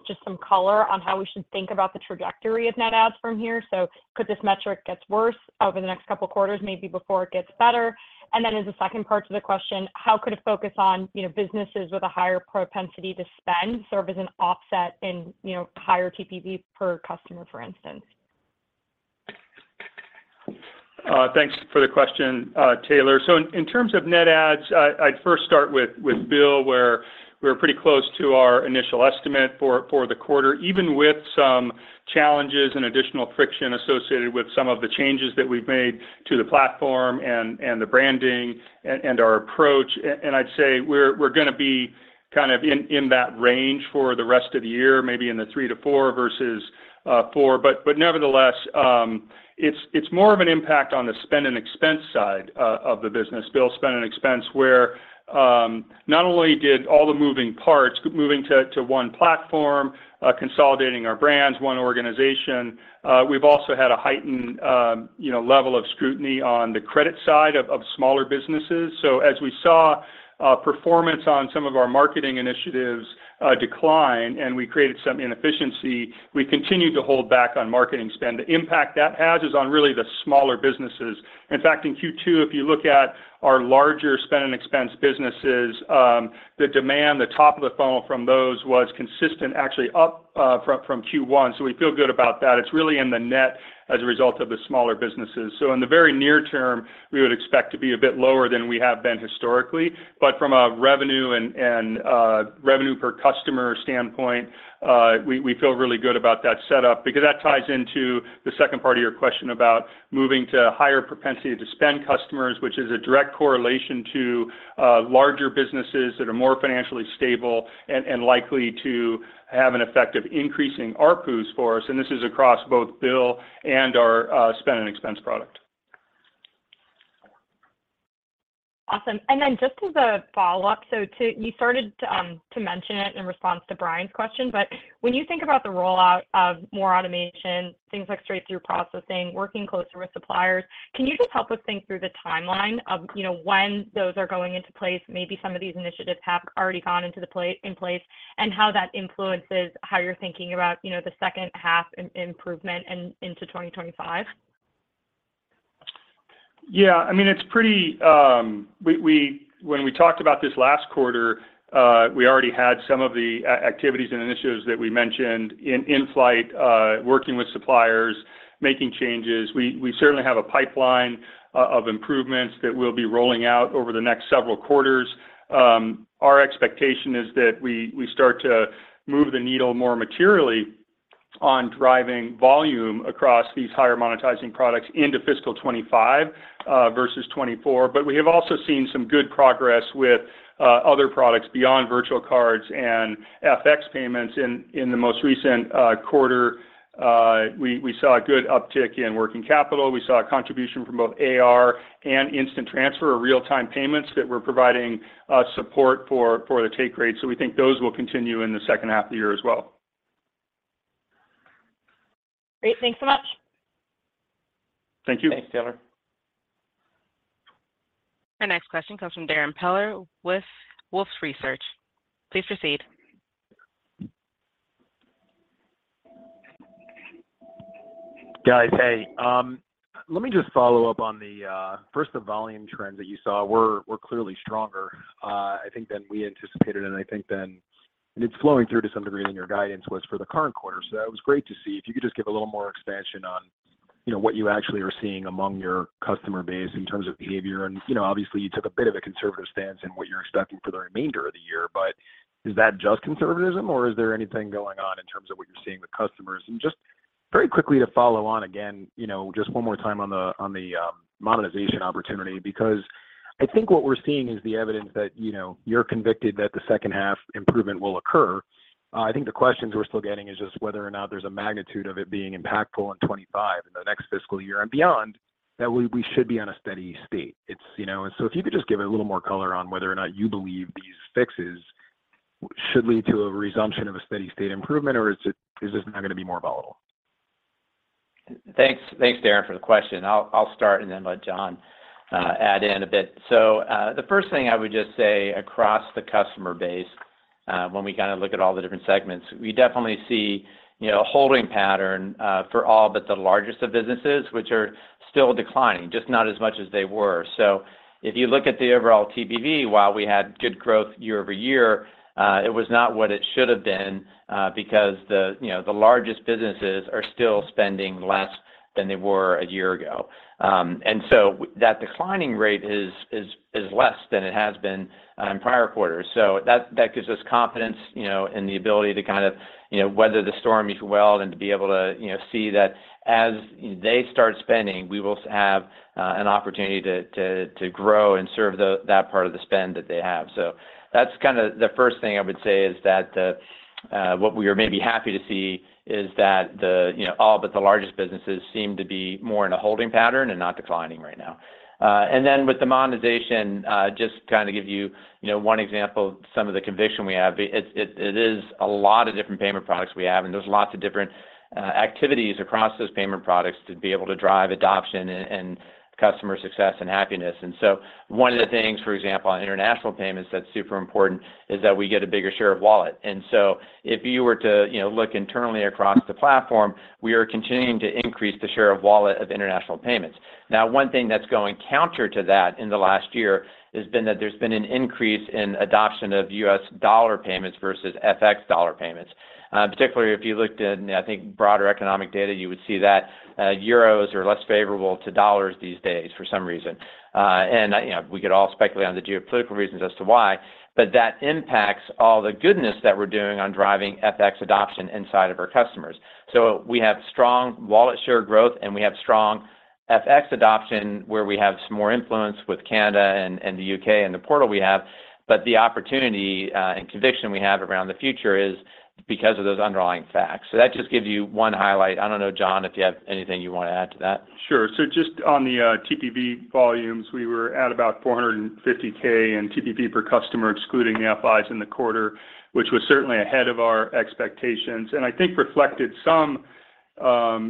just some color on how we should think about the trajectory of net adds from here? So could this metric gets worse over the next couple of quarters, maybe before it gets better? And then as a second part to the question, how could a focus on, you know, businesses with a higher propensity to spend serve as an offset in, you know, higher TPV per customer, for instance? Thanks for the question, Taylor. So in terms of net adds, I'd first start with Bill, where we're pretty close to our initial estimate for the quarter, even with some challenges and additional friction associated with some of the changes that we've made to the platform and the branding and our approach. And I'd say we're gonna be kind of in that range for the rest of the year, maybe in the 3-4 versus 4. But nevertheless, it's more of an impact on the spend and expense side of the business. BILL Spend & Expense, where not only did all the moving parts, moving to one platform, consolidating our brands, one organization, we've also had a heightened, you know, level of scrutiny on the credit side of smaller businesses. So as we saw performance on some of our marketing initiatives decline, and we created some inefficiency, we continued to hold back on marketing spend. The impact that has is on really the smaller businesses. In fact, in Q2, if you look at our larger spend and expense businesses, the demand, the top of the funnel from those was consistent, actually up from Q1. So we feel good about that. It's really in the net as a result of the smaller businesses. So in the very near term, we would expect to be a bit lower than we have been historically. But from a revenue and revenue per customer standpoint, we feel really good about that setup because that ties into the second part of your question about moving to higher propensity to spend customers, which is a direct correlation to larger businesses that are more financially stable and likely to have an effect of increasing ARPU for us, and this is across both BILL and our Spend and Expense product. Awesome. And then just as a follow-up, so you started to mention it in response to Bryan's question, but when you think about the rollout of more automation, things like straight-through processing, working closer with suppliers, can you just help us think through the timeline of, you know, when those are going into place, maybe some of these initiatives have already gone into place, and how that influences how you're thinking about, you know, the second half improvement and into 2025? Yeah, I mean, it's pretty. We, we—when we talked about this last quarter, we already had some of the activities and initiatives that we mentioned in-flight, working with suppliers, making changes. We certainly have a pipeline of improvements that we'll be rolling out over the next several quarters. Our expectation is that we start to move the needle more materially on driving volume across these higher monetizing products into fiscal 2025, versus 2024. But we have also seen some good progress with other products beyond virtual cards and FX payments in the most recent quarter. We saw a good uptick in working capital. We saw a contribution from both AR and instant transfer or real-time payments that were providing support for the take rate. We think those will continue in the second half of the year as well. Great. Thanks so much. Thank you. Thanks, Taylor. Our next question comes from Darrin Peller with Wolfe Research. Please proceed. Guys, hey, let me just follow up on the first, the volume trends that you saw were clearly stronger, I think, than we anticipated, and I think then and it's flowing through to some degree in your guidance was for the current quarter. That was great to see. If you could just give a little more expansion on, you know, what you actually are seeing among your customer base in terms of behavior. You know, obviously, you took a bit of a conservative stance in what you're expecting for the remainder of the year, but is that just conservatism, or is there anything going on in terms of what you're seeing with customers? Just very quickly to follow on again, you know, just one more time on the, on the, monetization opportunity, because I think what we're seeing is the evidence that, you know, you're convicted that the second half improvement will occur. I think the questions we're still getting is just whether or not there's a magnitude of it being impactful in 25, in the next fiscal year and beyond, that we should be on a steady state. It's, you know. So if you could just give a little more color on whether or not you believe these fixes should lead to a resumption of a steady state improvement, or is it, is this now going to be more volatile? Thanks, Darrin, for the question. I'll start and then let John add in a bit. So, the first thing I would just say across the customer base, when we kind of look at all the different segments, we definitely see, you know, a holding pattern for all but the largest of businesses, which are still declining, just not as much as they were. So if you look at the overall TPV, while we had good growth year-over-year, it was not what it should have been, because the, you know, the largest businesses are still spending less than they were a year ago. And so that declining rate is less than it has been in prior quarters. So that, that gives us confidence, you know, in the ability to kind of, you know, weather the storm, if you will, and to be able to, you know, see that as they start spending, we will have an opportunity to grow and serve that part of the spend that they have. So that's kind of the first thing I would say is that what we are maybe happy to see is that, you know, all but the largest businesses seem to be more in a holding pattern and not declining right now. And then with the monetization, just to kind of give you, you know, one example of some of the conviction we have. It is a lot of different payment products we have, and there's lots of different activities across those payment products to be able to drive adoption and customer success and happiness. And so one of the things, for example, on international payments that's super important is that we get a bigger share of wallet. And so if you were to, you know, look internally across the platform, we are continuing to increase the share of wallet of international payments. Now, one thing that's going counter to that in the last year has been that there's been an increase in adoption of U.S. dollar payments versus FX dollar payments. Particularly if you looked at, I think, broader economic data, you would see that euros are less favorable to dollars these days for some reason. And, you know, we could all speculate on the geopolitical reasons as to why, but that impacts all the goodness that we're doing on driving FX adoption inside of our customers. So we have strong wallet share growth, and we have strong FX adoption, where we have some more influence with Canada and, and the U.K. and the portal we have. But the opportunity, and conviction we have around the future is because of those underlying facts. So that just gives you one highlight. I don't know, John, if you have anything you want to add to that. Sure. So just on the TPV volumes, we were at about $450K in TPV per customer, excluding the FIs in the quarter, which was certainly ahead of our expectations, and I think reflected some,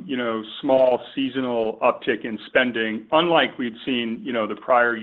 you know, small seasonal uptick in spending, unlike we've seen, you know, the prior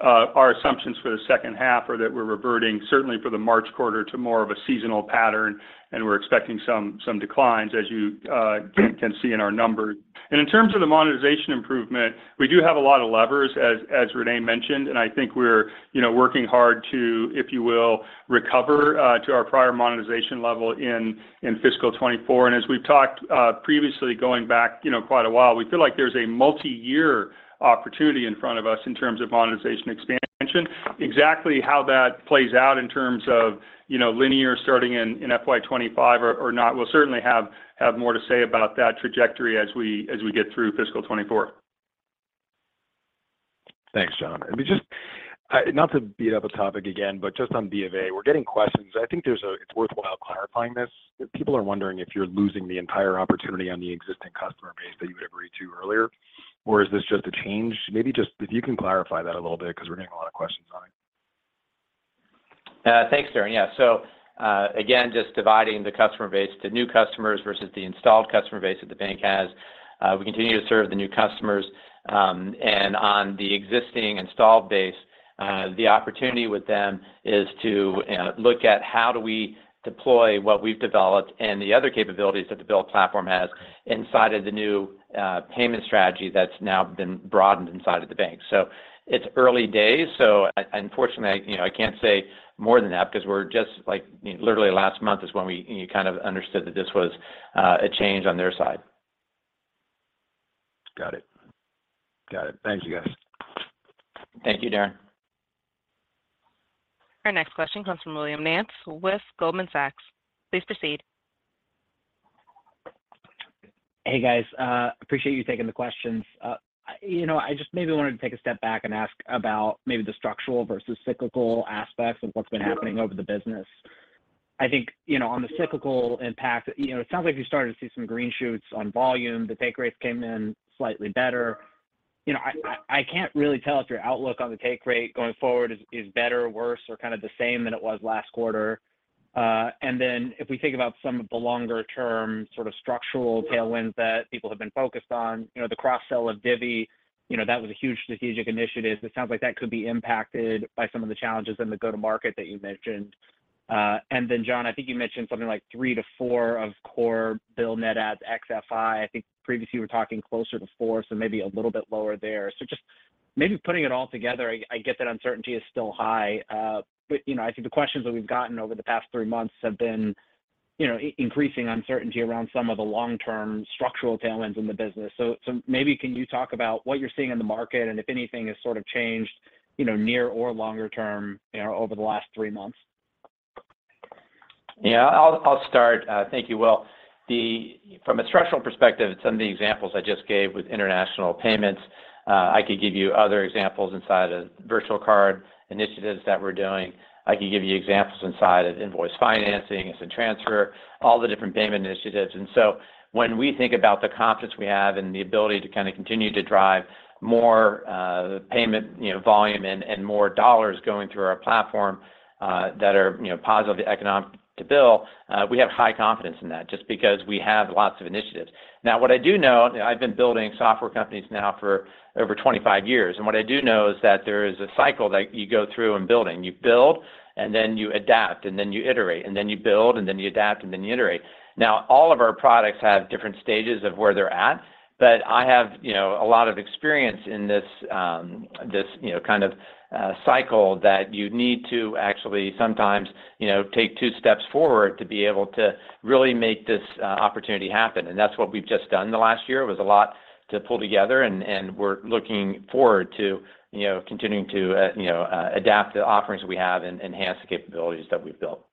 year. Our assumptions for the second half are that we're reverting, certainly for the March quarter, to more of a seasonal pattern, and we're expecting some declines, as you can see in our numbers. And in terms of the monetization improvement, we do have a lot of levers, as Rene mentioned, and I think we're, you know, working hard to, if you will, recover to our prior monetization level in fiscal 2024. As we've talked previously, going back, you know, quite a while, we feel like there's a multiyear opportunity in front of us in terms of monetization expansion. Exactly how that plays out in terms of, you know, linear starting in FY 25 or not, we'll certainly have more to say about that trajectory as we get through fiscal 24. Thanks, John. Let me just not to beat up a topic again, but just on BofA, we're getting questions. I think there's a, it's worthwhile clarifying this. People are wondering if you're losing the entire opportunity on the existing customer base that you had agreed to earlier, or is this just a change? Maybe just if you can clarify that a little bit, because we're getting a lot of questions on it. Thanks, Darrin. Yeah. So, again, just dividing the customer base to new customers versus the installed customer base that the bank has, we continue to serve the new customers. And on the existing installed base, the opportunity with them is to look at how do we deploy what we've developed and the other capabilities that the BILL platform has inside of the new payment strategy that's now been broadened inside of the bank. So it's early days, so unfortunately, I, you know, I can't say more than that because we're just like literally last month is when we, you know, kind of understood that this was a change on their side. Got it. Got it. Thank you, guys. Thank you, Darrin. Our next question comes from William Nance with Goldman Sachs. Please proceed. Hey, guys. Appreciate you taking the questions. You know, I just maybe wanted to take a step back and ask about maybe the structural versus cyclical aspects of what's been happening over the business. I think, you know, on the cyclical impact, you know, it sounds like you're starting to see some green shoots on volume. The take rates came in slightly better. You know, I can't really tell if your outlook on the take rate going forward is better or worse, or kind of the same than it was last quarter. And then if we think about some of the longer-term sort of structural tailwinds that people have been focused on, you know, the cross-sell of Divvy, you know, that was a huge strategic initiative. It sounds like that could be impacted by some of the challenges in the go-to-market that you mentioned. And then, John, I think you mentioned something like 3-4 core BILL Net Adds ex-FI. I think previously you were talking closer to 4, so maybe a little bit lower there. So just maybe putting it all together, I get that uncertainty is still high. But, you know, I think the questions that we've gotten over the past three months have been, you know, increasing uncertainty around some of the long-term structural tailwinds in the business. So maybe can you talk about what you're seeing in the market, and if anything has sort of changed, you know, near or longer term, you know, over the last three months? Yeah. I'll start. Thank you, Will. From a structural perspective, and some of the examples I just gave with international payments, I could give you other examples inside of virtual card initiatives that we're doing. I could give you examples inside of invoice financing, instant transfer, all the different payment initiatives. And so when we think about the confidence we have and the ability to kind of continue to drive more payment, you know, volume and more dollars going through our platform that are, you know, positive economic to BILL, we have high confidence in that, just because we have lots of initiatives. Now, what I do know, I've been building software companies now for over 25 years, and what I do know is that there is a cycle that you go through in building. You build, and then you adapt, and then you iterate, and then you build, and then you adapt, and then you iterate. Now, all of our products have different stages of where they're at, but I have, you know, a lot of experience in this, you know, kind of cycle that you need to actually sometimes, you know, take two steps forward to be able to really make this opportunity happen. And that's what we've just done the last year. It was a lot to pull together, and we're looking forward to, you know, continuing to, you know, adapt the offerings we have and enhance the capabilities that we've built.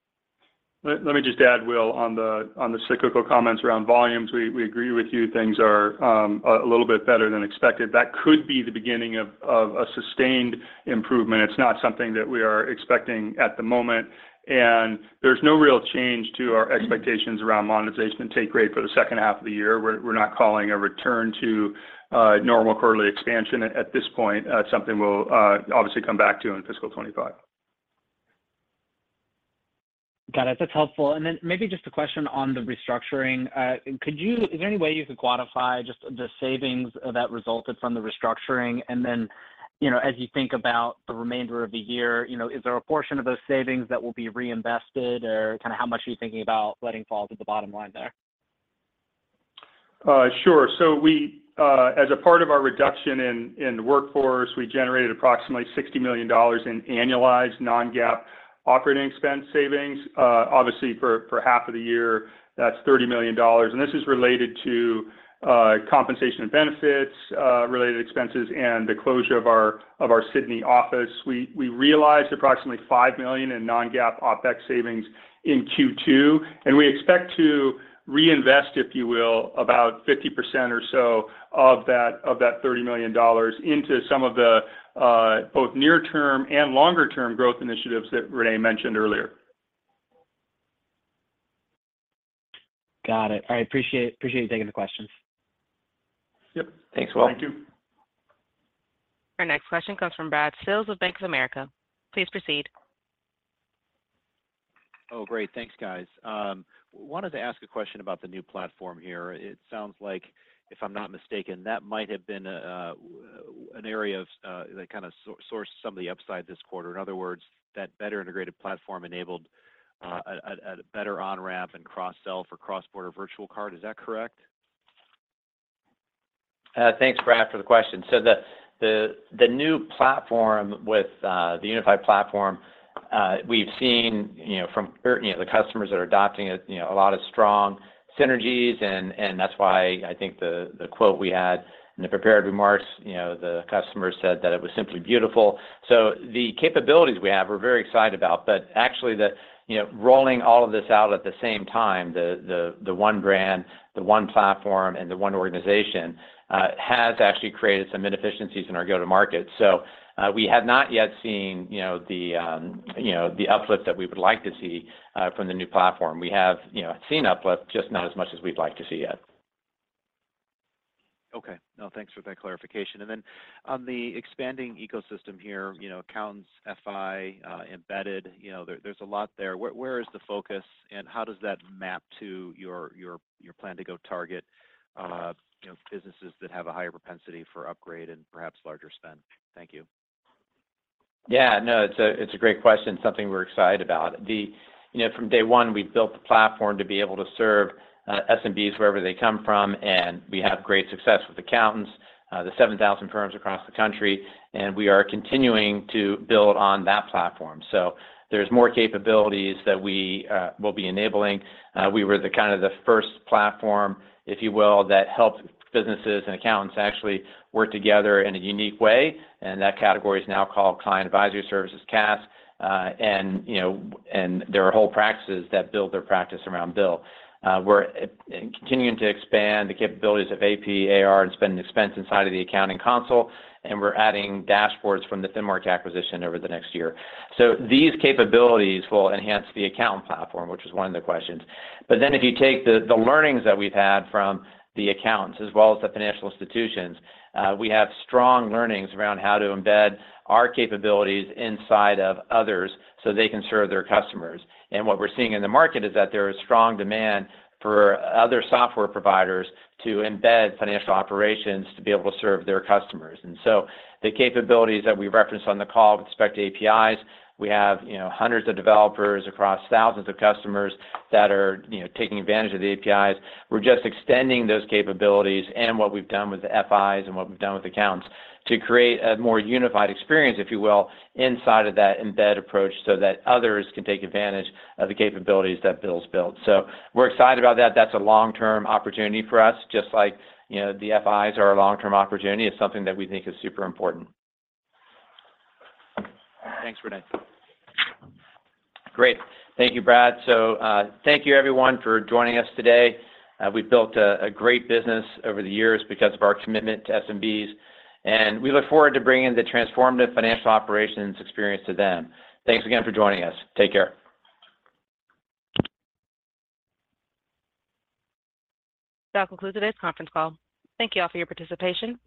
Let me just add, Will, on the cyclical comments around volumes, we agree with you. Things are a little bit better than expected. That could be the beginning of a sustained improvement. It's not something that we are expecting at the moment, and there's no real change to our expectations around monetization and take rate for the second half of the year. We're not calling a return to normal quarterly expansion at this point. It's something we'll obviously come back to in fiscal 2025. Got it. That's helpful. And then maybe just a question on the restructuring. Uh, could you—is there any way you could quantify just the savings that resulted from the restructuring? And then, you know, as you think about the remainder of the year, you know, is there a portion of those savings that will be reinvested, or kind of how much are you thinking about letting fall to the bottom line there? Sure. So we, as a part of our reduction in, in the workforce, we generated approximately $60 million in annualized non-GAAP operating expense savings. Obviously, for, for half of the year, that's $30 million, and this is related to, compensation and benefits, related expenses, and the closure of our, of our Sydney office. We, we realized approximately $5 million in non-GAAP OpEx savings in Q2, and we expect to reinvest, if you will, about 50% or so of that- of that $30 million into some of the, both near-term and longer-term growth initiatives that René mentioned earlier. Got it. I appreciate you taking the questions. Yep. Thanks, Will. Thank you. Our next question comes from Brad Sills with Bank of America. Please proceed. Oh, great. Thanks, guys. Wanted to ask a question about the new platform here. It sounds like, if I'm not mistaken, that might have been an area that kind of sourced some of the upside this quarter. In other words, that better integrated platform enabled a better on-ramp and cross-sell for cross-border virtual card. Is that correct? Thanks, Brad, for the question. So the new platform with the unified platform, we've seen, you know, from you know, the customers that are adopting it, you know, a lot of strong synergies, and that's why I think the quote we had in the prepared remarks, you know, the customer said that it was simply beautiful. So the capabilities we have, we're very excited about. But actually, you know, rolling all of this out at the same time, the one brand, the one platform, and the one organization has actually created some inefficiencies in our go-to-market. So we have not yet seen, you know, the you know, the uplift that we would like to see from the new platform. We have, you know, seen uplift, just not as much as we'd like to see yet. Okay. No, thanks for that clarification. And then on the expanding ecosystem here, you know, accountants, FI, embedded, you know, there, there's a lot there. Where is the focus, and how does that map to your plan to go target, you know, businesses that have a higher propensity for upgrade and perhaps larger spend? Thank you. Yeah, no, it's a great question, something we're excited about. You know, from day one, we built the platform to be able to serve SMBs wherever they come from, and we have great success with accountants, the 7,000 firms across the country, and we are continuing to build on that platform. So there's more capabilities that we will be enabling. We were the kind of the first platform, if you will, that helped businesses and accountants actually work together in a unique way, and that category is now called Client Advisory Services, CAS. And, you know, there are whole practices that build their practice around BILL. We're continuing to expand the capabilities of AP, AR, and spend and expense inside of the accounting console, and we're adding dashboards from the Finmark acquisition over the next year. So these capabilities will enhance the account platform, which was one of the questions. But then if you take the learnings that we've had from the accountants as well as the financial institutions, we have strong learnings around how to embed our capabilities inside of others, so they can serve their customers. And what we're seeing in the market is that there is strong demand for other software providers to embed financial operations to be able to serve their customers. And so the capabilities that we referenced on the call with respect to APIs, we have, you know, hundreds of developers across thousands of customers that are, you know, taking advantage of the APIs. We're just extending those capabilities and what we've done with the FIs and what we've done with accountants to create a more unified experience, if you will, inside of that embed approach so that others can take advantage of the capabilities that BILL's built. So we're excited about that. That's a long-term opportunity for us, just like, you know, the FIs are a long-term opportunity. It's something that we think is super important. Thanks, Rene. Great. Thank you, Brad. So, thank you everyone for joining us today. We've built a great business over the years because of our commitment to SMBs, and we look forward to bringing the transformative financial operations experience to them. Thanks again for joining us. Take care. That concludes today's conference call. Thank you all for your participation.